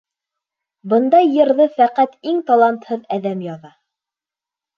Бындай йырҙы фәҡәт иң талантһыҙ әҙәм яҙа.